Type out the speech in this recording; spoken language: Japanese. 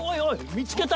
見つけた！